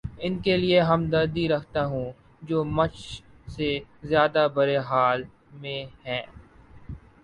ان کے لیے ہمدردی رکھتا ہوں جو مچھ سے زیادہ برے حال میں ہیں